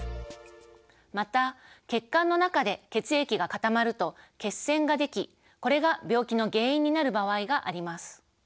また血管の中で血液が固まると血栓ができこれが病気の原因になる場合があります。